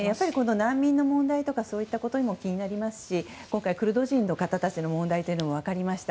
難民の問題とかそういったことも気になりますし今回、クルド人の方たちの問題も分かりました。